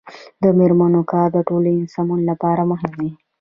د میرمنو کار د ټولنې سمون لپاره مهم دی.